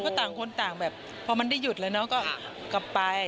ก็ต่างคนต่างแบบพอมันได้หยุดแล้วเนาะก็กลับไป